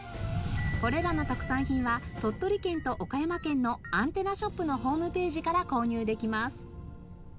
これらの特産品は鳥取県と岡山県のアンテナショップのホームページから購入できます。